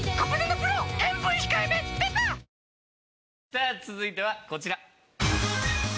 さぁ続いてはこちら。